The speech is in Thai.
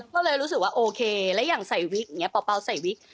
เราก็เลยรู้สึกว่าโอเคแล้วอย่างใส่วิกป่าวใส่วิก